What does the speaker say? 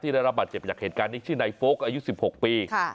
ที่ได้รับบาดเจ็บอยากเห็นการนี้ชื่อนายโฟคอายุสิบหกปีค่ะ